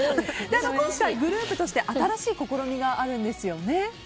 今回グループとして新しい試みがあるんですよね。